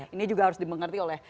ini juga harus dimengerti oleh